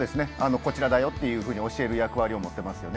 こちらだよというふうに教える役割を持っていますね。